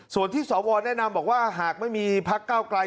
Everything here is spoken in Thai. ส่วนที่สวแนะนำบอกว่าหากไม่มีพักเก้าไกล